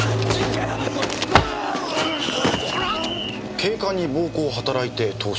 警官に暴行を働いて逃走。